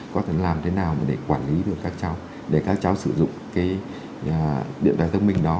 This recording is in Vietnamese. có thể làm thế nào để quản lý được các cháu để các cháu sử dụng cái điện thoại thông minh đó